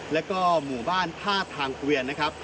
แล้วก็หมู่บ้านท่าทางเกวียนนะครับ